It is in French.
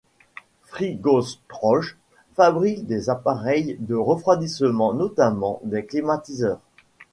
Frigostroj fabrique des appareils de refroidissement, notamment des climatiseurs.